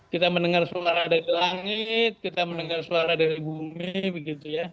kita mendengar suara dari langit kita mendengar suara dari bumi begitu ya